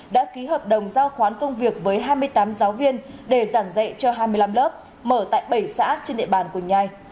đã ký hợp đồng giao khoán công việc với hai mươi tám giáo viên để giảng dạy cho hai mươi năm lớp mở tại bảy xã trên địa bàn quỳnh nhai